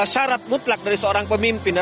syarat mutlak dari seorang pemimpin